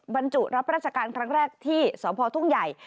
บรรจุรับราชการครั้งแรกที่สพทุ่งใหญ่